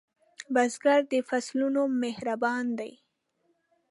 بزګر د فصلونو مهربان دی